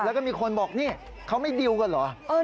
แล้วก็มีคนบอกนี่เขาไม่ดิวกันเหรอ